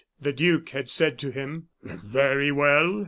The duke had said to him: "Very well!